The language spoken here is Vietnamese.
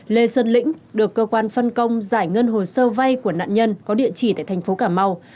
lê sơn lĩnh được cơ quan phân công giải ngân hồ sơ vay của nạn nhân có địa chỉ tại thành phố cà mau